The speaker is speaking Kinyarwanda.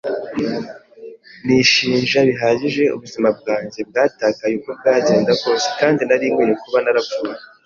nishinja bihagije; ubuzima bwanjye bwatakaye uko byagenda kose, kandi nari nkwiye kuba narapfuye